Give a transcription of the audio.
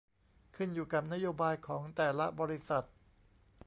ขึ้นอยู่กับนโยบายของแต่ละบริษัท